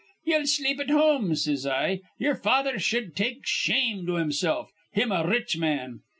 'Ye'll sleep at home,' says I. 'Ye'er father sh'd take shame to himsilf, him a rich man.'